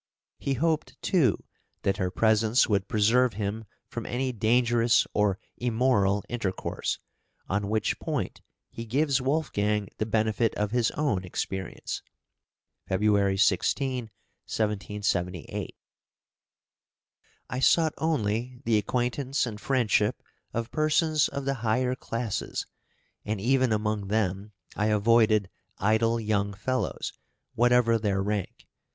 He hoped, too, that her presence would preserve him from any dangerous or immoral intercourse, on which point he gives Wolfgang the benefit of his own experience (February 16, 1778): I sought only the acquaintance and friendship of persons of the higher classes, and even among them I avoided idle young fellows, whatever their rank.